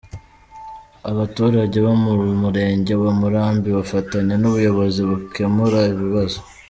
Abaturage bo mu murenge wa Murambi bafatanya n’ubuyobozi gukemura ibibazo.